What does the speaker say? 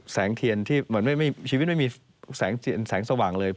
สังเถียนที่ชีวิตไม่มีแสงสว่างเลย